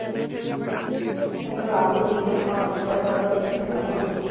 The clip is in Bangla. কিন্তু আবু সুফিয়ান আমার মাধ্যমে যে অপরাধ করাতে চেয়েছেন তা আমি করিনি।